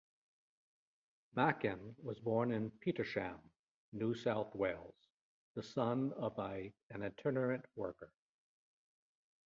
Makin was born in Petersham, New South Wales, the son of an itinerant worker.